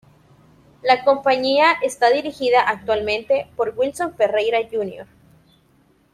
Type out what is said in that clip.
La compañía está dirigida actualmente por Wilson Ferreira Junior.